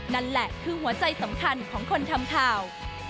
นั่นแหละคือหัวใจสำคัญของคนทำข่าว